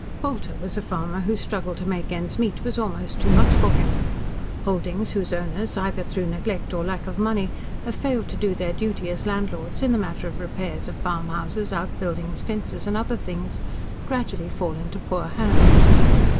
Bolter was a farmer whose struggle to make ends meet was almost too much for him. Holdings whose owners, either through neglect or lack of money, have failed to do their duty as landlords in the matter of repairs of farmhouses, outbuildings, fences, and other things, gradually fall into poor hands.